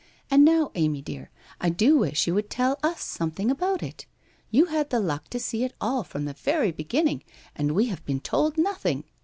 And now, Amy dear, I do wish you would tell us something about it. You had the luck to see it all from the very beginning and we have been told nothing.